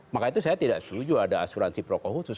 maka itu saya tidak setuju ada asuransi proko khusus